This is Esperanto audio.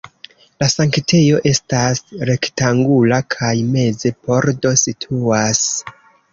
La sanktejo estas rektangula kaj meze pordo situas.